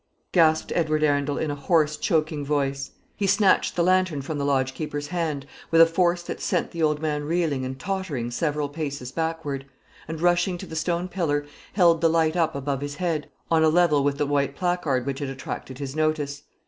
gasped Edward Arundel, in a hoarse, choking voice. He snatched the lantern from the lodge keeper's hand with a force that sent the old man reeling and tottering several paces backward; and, rushing to the stone pillar, held the light up above his head, on a level with the white placard which had attracted his notice.